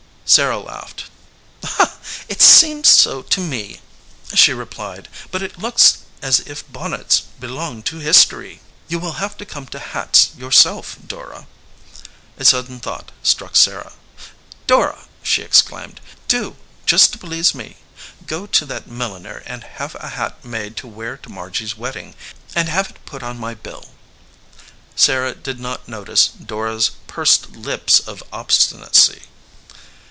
Sarah laughed. "It seemed so to me," she re plied, "but it looks as if bonnets belonged to history. You will have to come to hats yourself, Dora." A sudden thought struck Sarah. "Dora," she ex claimed, "do, just to please me, go to that milliner and have a hat made to wear to Margy s wedding, and have it put on my bill." Sarah did not notice Dora s pursed lips of obstinacy.